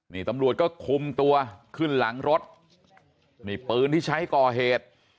นี่ตำรวจก็คุมตัวขึ้นหลังรถนี่ปืนที่ใช้ก่อเหตุ